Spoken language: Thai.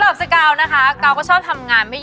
แต่ว่าเฮ่ยแซ้ปเราเงาอ่ะ